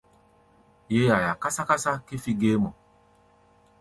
Yé yaia kásá-kásá kífí géémɔ.